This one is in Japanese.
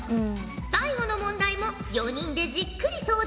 最後の問題も４人でじっくり相談して考えよ。